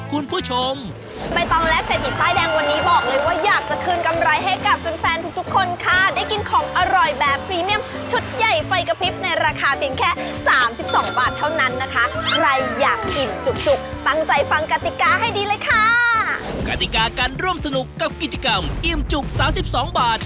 กฎิกาการร่วมสนุกกับกิจกรรมอิ่มจุก๓๒บาท